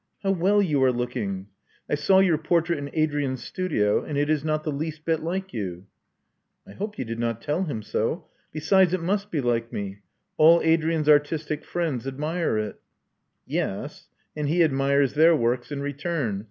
How well you are looking! I saw your portrait in Adrian's studio; and it is not the least bit like you." I hope you did not tell him so. Besides, it must be like me. " All Adrian's artistic friends admire it." Yes; and he admires their works in return.